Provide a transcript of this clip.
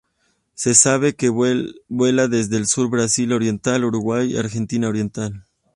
Se sabe que vuela desde el sur-Brasil oriental, Uruguay y Argentina oriental.